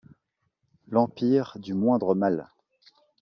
L'Empire du moindre mal.